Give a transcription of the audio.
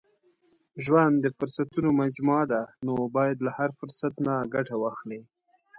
• ژوند د فرصتونو مجموعه ده، نو باید له هر فرصت نه ګټه واخلې.